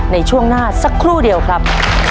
ในช่วงหน้าสักครู่เดียวครับ